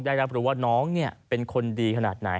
ได้รับรู้ว่าน้องเป็นคนดีขนาดไหน